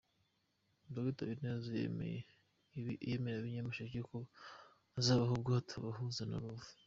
Dr Habineza yemereye ab’ I Nyamasheke ko azabaha ubwato bubahuza na Rubavu .